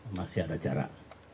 masih ada jarak